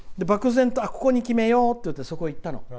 漠然と、ここに決めようってそこ行ったの。